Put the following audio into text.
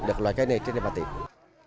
hoặc loại cây nền trên đề bà tỉnh